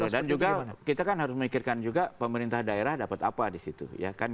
dan juga kita kan harus memikirkan juga pemerintah daerah dapat apa di situ ya kan